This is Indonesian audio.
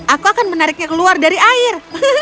aku akan menariknya keluar dari air